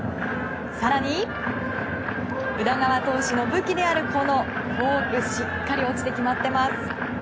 更に、宇田川投手の武器であるフォークもしっかり落ちて、決まってます。